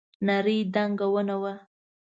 نرۍ دنګه ونه وه.